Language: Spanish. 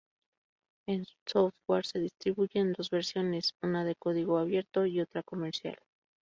El software se distribuye en dos versiones: una de código abierto y otra comercial.